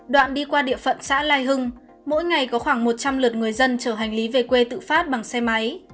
đoạn đi qua địa phận xã lai hưng mỗi ngày có khoảng một trăm linh lượt người dân chở hành lý về quê tự phát bằng xe máy